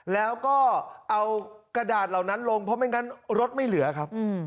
แล้วก็เอากระดาษเหล่านั้นลงเพราะไม่งั้นรถไม่เหลือครับ